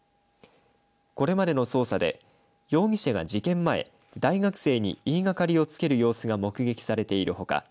これまでの捜査で容疑者が事件前、大学生に言いがかりをつける様子が目撃されているほか